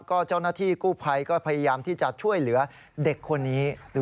ก็เจ้าหน้าที่กู้ภัยก็พยายามที่จะช่วยเหลือเด็กคนนี้